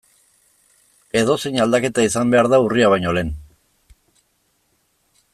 Edozein aldaketa izan behar da urria baino lehen.